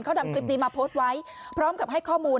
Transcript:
เขานำคลิปนี้มาโพสต์ไว้พร้อมกับให้ข้อมูล